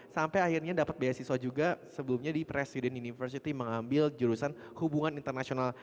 sampai akhirnya dapat beasiswa juga sebelumnya di presiden university mengambil jurusan hubungan internasional